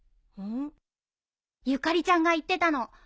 ん？ゆかりちゃんが言ってたの。